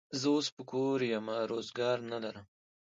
زه اوس په کور یمه، روزګار نه لرم.